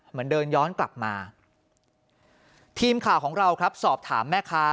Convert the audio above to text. เหมือนเดินย้อนกลับมาทีมข่าวของเราครับสอบถามแม่ค้า